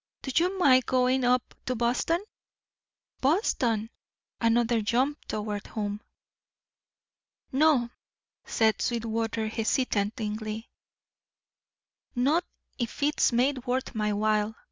"Do you mind going up to Boston?" Boston! Another jump toward home. "No," said Sweetwater, hesitatingly, "not if it's made worth my while.